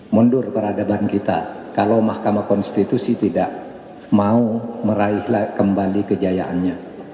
mundur peradaban kita kalau mahkamah konstitusi tidak mau meraih kembali kejayaannya